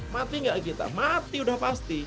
mati nggak kita mati udah pasti